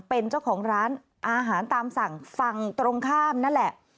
เป็นเจ้าของร้านอาหารตามสั่งฝั่งตรงข้ามนั่นแหละ